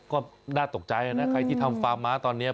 ก็น่าตกใจนะใครที่ทำฟาร์มม้าตอนนี้